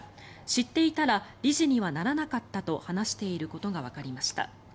知っていたら理事にはならなかったと話していることがわかりました。